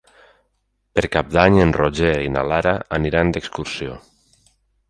Per Cap d'Any en Roger i na Lara aniran d'excursió.